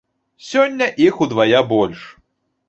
Сёння іх удвая больш.